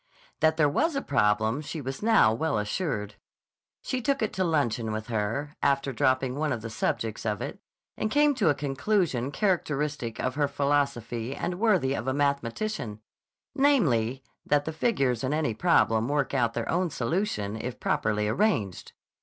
That there was a problem she was now well assured. She took it to luncheon with her, after dropping one of the subjects of it, and came to a conclusion characteristic of her philosophy and worthy of a mathematician; namely, that the figures in any problem work out their own solution if properly arranged.